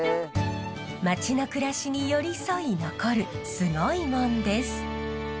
町の暮らしに寄り添い残るスゴイもんです。